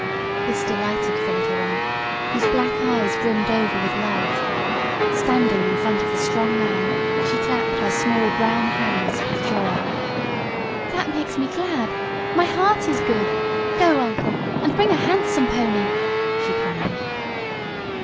This delighted the little one, whose black eyes brimmed over with light. Standing in front of the strong man, she clapped her small, brown hands with joy. "That makes me glad! My heart is good! Go, uncle, and bring a handsome pony!" she cried.